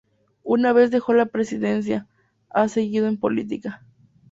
Una vez dejó la presidencia, ha seguido en política.